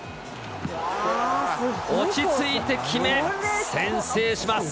落ち着いて決め、先制します。